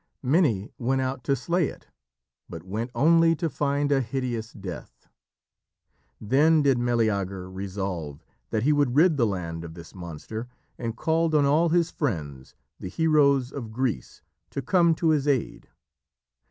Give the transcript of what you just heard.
Many went out to slay it, but went only to find a hideous death. Then did Meleager resolve that he would rid the land of this monster, and called on all his friends, the heroes of Greece, to come to his aid.